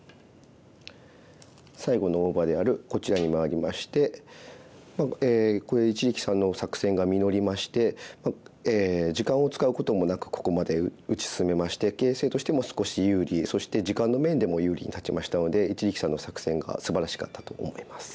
最後の大場であるこちらに回りましてこれ一力さんの作戦が実りまして時間を使うこともなくここまで打ち進めまして形勢としても少し有利そして時間の面でも有利に立ちましたので一力さんの作戦がすばらしかったと思います。